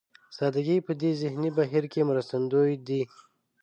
سادهګي په دې ذهني بهير کې مرستندوی دی.